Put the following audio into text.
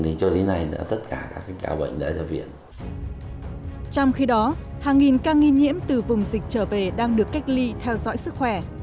trong khi đó hàng nghìn ca nghi nhiễm từ vùng dịch trở về đang được cách ly theo dõi sức khỏe